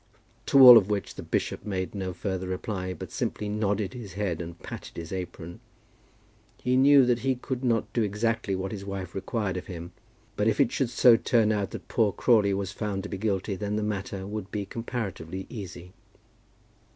To all of which the bishop made no further reply, but simply nodded his head and patted his apron. He knew that he could not do exactly what his wife required of him; but if it should so turn out that poor Crawley was found to be guilty, then the matter would be comparatively easy.